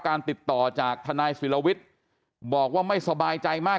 การติดต่อจากทางรัยสีลวิตบอกว่าไม่สบายใจมาก